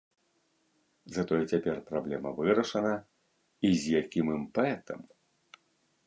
Затое цяпер праблема вырашана, і з якім імпэтам!